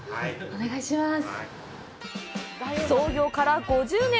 お願いします。